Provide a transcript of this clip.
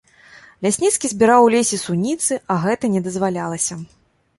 Лясніцкі збіраў у лесе суніцы, а гэта не дазвалялася.